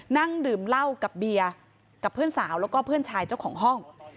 นั่งดื่มเหล้ากับเบียร์กับเพื่อนสาวแล้วก็เพื่อนชายเจ้าของห้อง